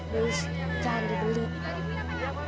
wis jangan di belit